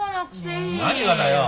何がだよ。